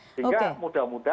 sehingga mungkin itu sudah dikira